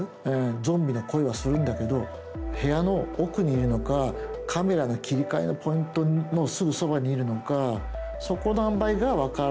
ゾンビの声はするんだけど部屋の奥にいるのかカメラの切り替えのポイントのすぐそばにいるのかそこのあんばいが分からない。